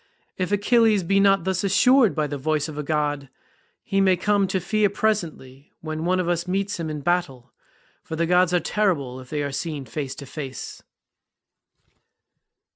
If Achilles be not thus assured by the voice of a god, he may come to fear presently when one of us meets him in battle, for the gods are terrible if they are seen face to face."